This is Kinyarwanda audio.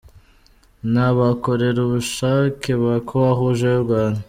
n’abakorera bushake ba Croix Rouge y’u Rwanda.